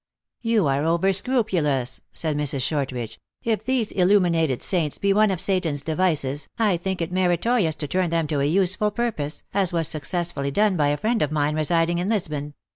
" You are over scrupulous," said Mrs. Shortridge :" if these illuminated saints be one of Satan s devices, I think it meritorious to turn them to a useful purpose, as was successfully done by a friend of mine residing in Lisbon.